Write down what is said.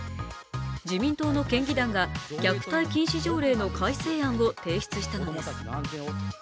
自民党の県議団が虐待禁止条例の改正案を提出したのです。